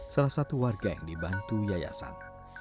salah satu warga yang dibantu yayasan